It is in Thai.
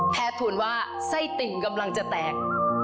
ทูลว่าไส้ติ่งกำลังจะแตก